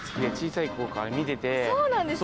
そうなんですね。